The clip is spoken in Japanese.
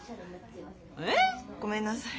えっ？ごめんなさい。